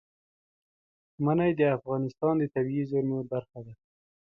منی د افغانستان د طبیعي زیرمو برخه ده.